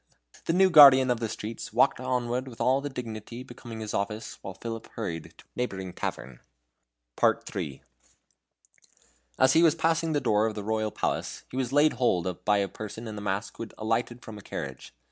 The new guardian of the streets walked onward with all the dignity becoming his office, while Philip hurried to a neighboring tavern. III. As he was passing the door of the royal palace, he was laid hold of by a person in a mask who had alighted from a carriage.